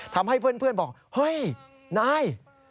ทำให้เพื่อนบอกเฮ้ยนาย